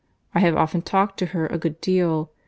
I have often talked to her a good deal.